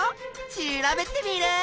調べテミルン！